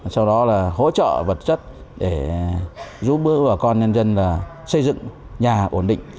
sau đó là hỗ trợ vật chất để giúp bà con nhân dân xây dựng nhà ổn định